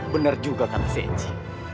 bener juga kata si eci